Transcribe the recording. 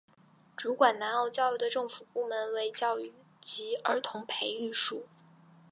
主管南澳教育的政府部门为教育及儿童培育署。